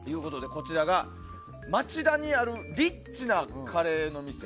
こちらが町田にあるリッチなカレーの店